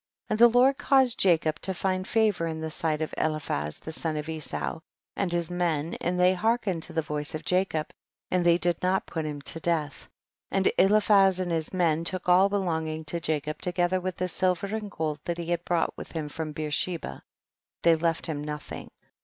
38. And the Lord caused Jacob to find favor in the sight of Eliphaz the son of Esau, and his men, and they hearkened to the voice of Jacob, and they did not put him to death, and Eliphaz and his men took all belong ing to Jacob together with the silver and gold that he had brought with him from Beersheba ; they left him nothing.